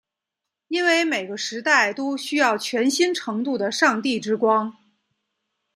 因为每个时代都需要全新程度的上帝之光。